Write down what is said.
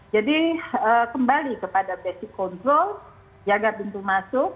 jadi kembali kepada basic control jaga pintu masuk